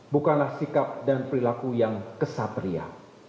bukanlah sikap dan perilaku yang kesatria